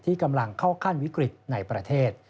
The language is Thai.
กำลังเข้าขั้นวิกฤตในประเทศ